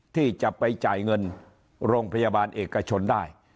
ที่จะไปจ่ายเงินโรงพยาบาลเอกชนได้